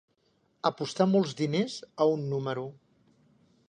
Apostar molts diners a un número.